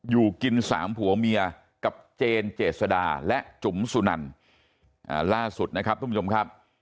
อยู่กินสามผัวเมียกับเจนเจษดาและจุ๋มสุนันล่าสุดนะครับทุกผู้ชมครับ